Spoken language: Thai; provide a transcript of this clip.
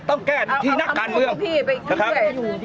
ต้องแก้ที่นักการเมือง